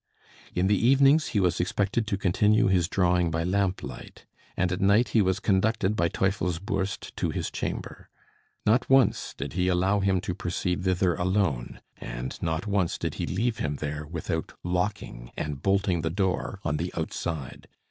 In the evenings, he was expected to continue his drawing by lamplight; and at night he was conducted by Teufelsbürst to his chamber. Not once did he allow him to proceed thither alone, and not once did he leave him there without locking and bolting the door on the outside.